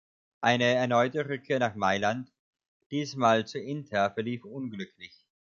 Eine erneute Rückkehr nach Mailand, diesmal zu Inter, verlief unglücklich.